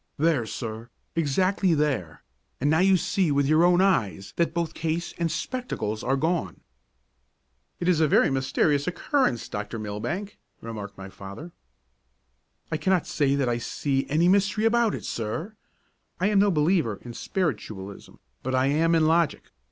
"There, sir, exactly there and now you see with your own eyes that both case and spectacles are gone!" "It is a very mysterious occurrence, Dr. Millbank," remarked my father. "I cannot say that I see any mystery about it, sir; I am no believer in spiritualism, but I am in logic.